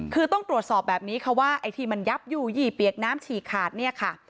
คือต้องตรวจสอบแบบนี้ค่ะว่าไอ้ที่มันยับอยู่ยี่เปียกน้ำฉีกขาดเนี่ยค่ะ